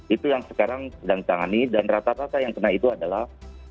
itu yang sekarang sedang ditangani dan rata rata yang kena itu adalah